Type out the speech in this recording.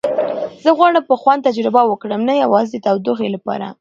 زه غواړم په خوند تجربه وکړم، نه یوازې د تودوخې لپاره.